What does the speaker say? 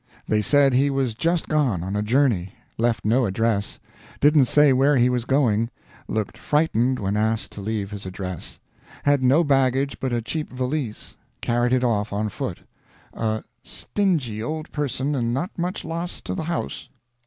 They said he was just gone, on a journey; left no address; didn't say where he was going; looked frightened when asked to leave his address; had no baggage but a cheap valise; carried it off on foot a "stingy old person, and not much loss to the house."